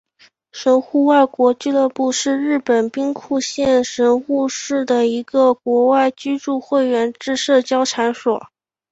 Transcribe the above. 神户外国俱乐部是日本兵库县神户市的一个外国居民会员制社交场所。